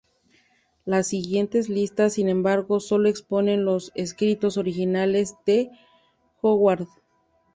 Las siguientes listas, sin embargo, sólo exponen los escritos originales de Howard.